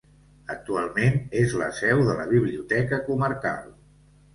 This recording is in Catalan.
Actualment és la seu de la Biblioteca Comarcal.